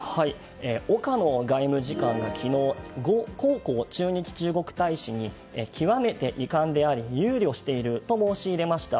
岡野外務次官が昨日ゴ・コウコウ駐日中国大使に極めて遺憾であり憂慮していると申し入れました。